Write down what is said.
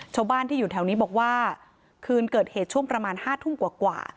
ชาวบ้านที่อยู่แถวนี้บอกว่าคืนเกิดเหตุช่วงประมาณ๕ทุ่มกว่า